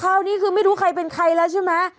คราวนี้คือไม่รู้ใครเป็นใครแล้วใช่ไหม